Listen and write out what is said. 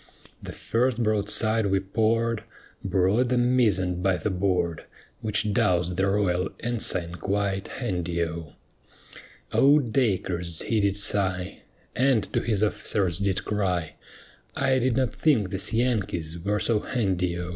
The first broadside we poured Brought the mizzen by the board, Which doused the royal ensign quite handy O. O Dacres he did sigh, And to his officers did cry, "I did not think these Yankees were so handy O."